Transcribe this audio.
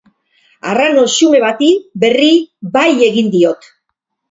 Arrano xume bati, berri, bai egin diot.